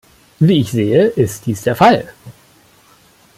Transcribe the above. Wie ich sehe, ist dies der Fall.